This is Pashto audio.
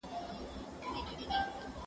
کېدای سي موبایل خراب وي؟!